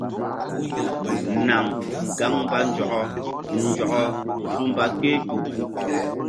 Naŋ gaŋ mba nzɔkɔ nzɔkɔ su mba kpehkpuh.